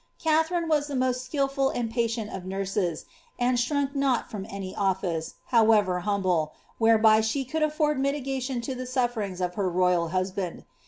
Katharine was the most skilhil and patient of ■met, and shrunk not Irom any olTice, however huml)le, whereby she cn«U aflonl mitigation to the sufferings of her royal husband.